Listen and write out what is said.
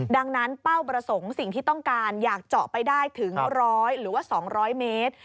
ดังนั้นเป้าประสงค์สิ่งที่ต้องการอยากเจาะไปได้ถึง๑๐๐หรือว่า๒๐๐เมตร